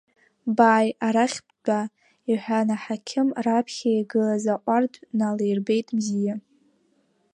Бааи, арахь бтәа, – иҳәан аҳақьым, раԥхьа игылаз аҟәардә налирбеит Мзиа.